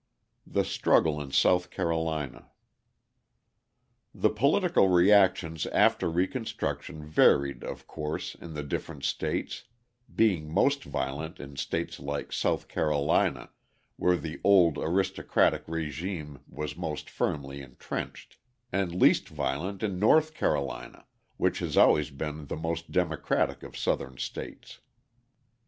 The Struggle in South Carolina The political reactions after Reconstruction varied, of course, in the different states, being most violent in states like South Carolina, where the old aristocratic régime was most firmly entrenched, and least violent in North Carolina, which has always been the most democratic of Southern states.